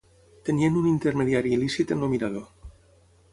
Tenien un intermediari il·lícit en el mirador.